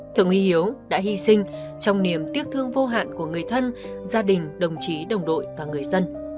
thượng úy hiếu đã hy sinh trong niềm tiếc thương vô hạn của người thân gia đình đồng chí đồng đội và người dân